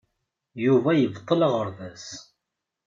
Yuba yebṭel aɣerbaz.